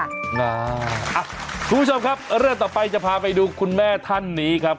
คุณผู้ชมครับเรื่องต่อไปจะพาไปดูคุณแม่ท่านนี้ครับ